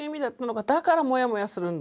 だからモヤモヤするんだ」とか